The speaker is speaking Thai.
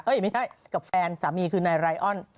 เอ้ยไม่ใช่กับแฟนสามีคือในไรออน